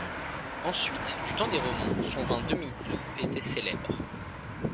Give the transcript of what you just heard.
Ensuite, du temps des Romains, son vin demi-doux était célèbre.